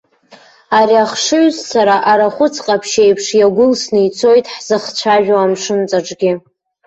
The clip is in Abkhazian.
Ари ахшыҩзцара арахәыц ҟаԥшь еиԥш иагәылсны ицоит ҳзыхцәажәо амшынҵаҿгьы.